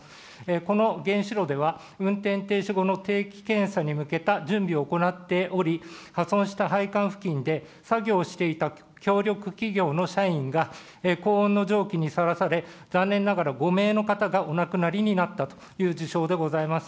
この原子炉では、運転停止後の定期検査に向けた準備を行っており、破損した配管付近で、作業をしていた協力企業の社員が、高温の蒸気にさらされ、残念ながら５名の方がお亡くなりになったという事象でございます。